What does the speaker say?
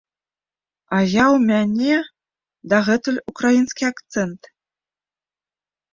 А я ў мяне дагэтуль украінскі акцэнт.